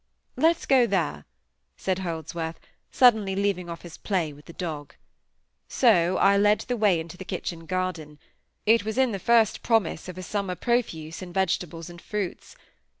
"Let us go there," said Holdsworth, suddenly leaving off his play with the dog. So I led the way into the kitchen garden. It was in the first promise of a summer profuse in vegetables and fruits.